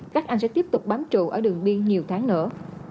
các anh sẽ tiếp tục bám trụ ở đường biên nhiều tháng nữa